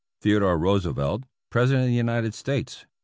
Theodore Roosevelt, President of the United States.